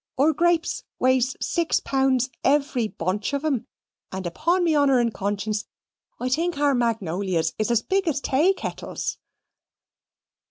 Our greeps weighs six pounds every bunch of 'em, and upon me honour and conscience I think our magnolias is as big as taykettles."